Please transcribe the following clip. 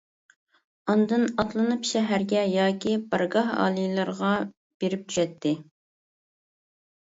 ئاندىن ئاتلىنىپ شەھەرگە ياكى بارگاھ ئالىيلىرىغا بېرىپ چۈشەتتى.